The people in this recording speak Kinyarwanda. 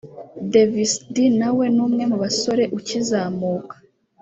Davis D nawe ni umwe mu basore ukizamuka